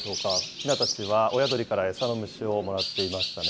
ひなたちは親鳥から餌の虫をもらっていましたね。